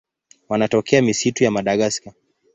Wanatokea misitu ya Madagaska.